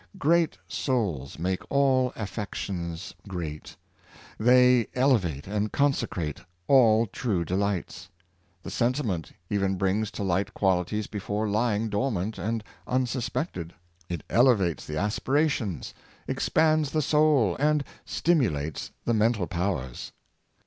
Great souls make all affections great; they elevate and consecrate all true delights. The sen timent even brings to light qualities before lying dor mant and unsuspected. It elevates the aspirations, ex pands the soul, and stimulates the mental powers.